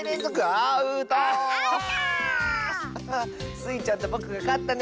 スイちゃんとぼくがかったね！